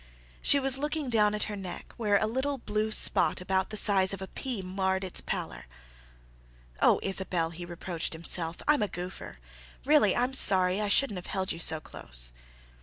She was looking down at her neck, where a little blue spot about the size of a pea marred its pallor. "Oh, Isabelle," he reproached himself, "I'm a goopher. Really, I'm sorry—I shouldn't have held you so close."